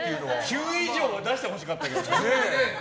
９以上は出してほしかったけど。